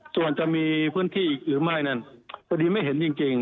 ส่วนจะมีพื้นที่อีกหรือไม่นั้นพอดีไม่เห็นจริง